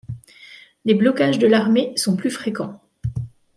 Des blocages de l’armée sont plus fréquents.